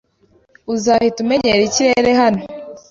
Uzahita umenyera ikirere hano.